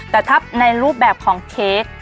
แต่ถ้าในรูปแบบของเค้ก